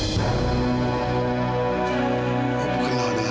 saya tahu sekali sama kamu mas